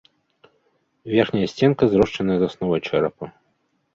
Верхняя сценка зрошчаныя з асновай чэрапа.